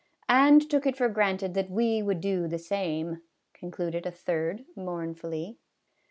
"And took it for granted that we would do the same," concluded a third, mournfully.